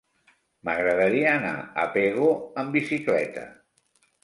M'agradaria anar a Pego amb bicicleta.